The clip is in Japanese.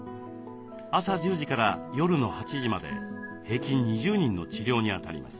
朝１０時から夜の８時まで平均２０人の治療にあたります。